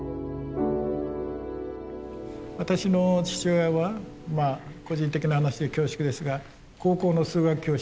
私の父親は個人的な話で恐縮ですが高校の数学教師でした。